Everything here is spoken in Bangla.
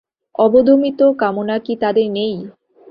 অবদমিত কামনা কি তাদের নেই?